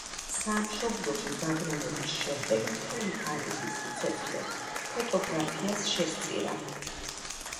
სამშობლოში დაბრუნების შემდეგ მთელი თავისი სიცოცხლე ფოტოგრაფიას შესწირა.